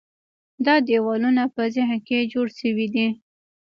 دا دیوالونه په ذهن کې جوړ شوي دي.